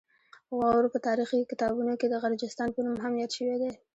غور په تاریخي کتابونو کې د غرجستان په نوم هم یاد شوی دی